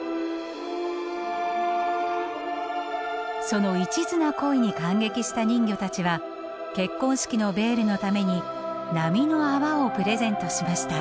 その一途な恋に感激した人魚たちは結婚式のベールのために波の泡をプレゼントしました。